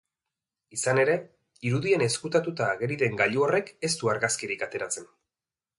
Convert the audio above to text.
Izan ere, irudian ezkutatuta ageri den gailu horrek ez du argazkirik ateratzen.